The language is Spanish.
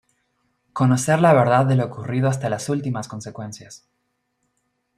Conocer la verdad de lo ocurrido hasta las últimas consecuencias.